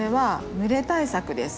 蒸れ対策です。